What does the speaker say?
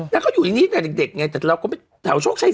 แล้วก็อยู่อย่างงี้แต่เด็กไงแต่เราก็ไม่แถวโชคชัย